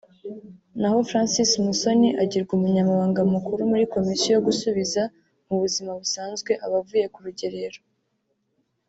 naho Francis Musoni agirwa Umunyamabanga Mukuru muri Komisiyo yo gusubiza mu buzima busanzwe abavuye ku rugerero